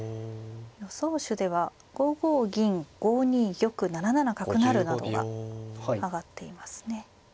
予想手では５五銀５二玉７七角成などが挙がっていますね。